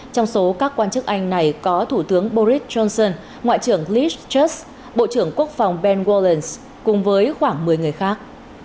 trong số các quan chức anh này có thủ tướng boris johnson ngoại trưởng liz truss bộ trưởng quốc phòng ben wallens cùng với khoảng một mươi người khác